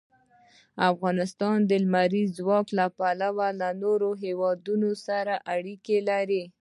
افغانستان د لمریز ځواک له پلوه له نورو هېوادونو سره اړیکې لري.